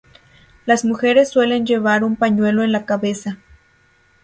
Las mujeres suelen llevar un pañuelo en la cabeza.